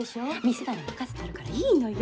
店なら任せてあるからいいのよ！